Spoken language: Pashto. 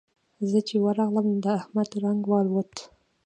زه چې ورغلم؛ د احمد رنګ والوت.